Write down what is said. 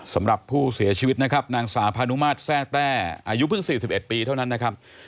สำหรับผู้เสียชีวิตนะครับนางสาวพานุมาตรแทร่แต้อายุเพิ่ง๔๑ปีเท่านั้นนะครับ